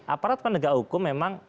aparat penegak hukum memang